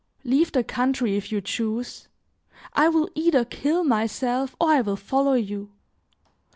"Leave the country if you choose; I will either kill myself or I will follow you.